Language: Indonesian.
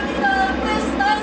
tni angkatan udara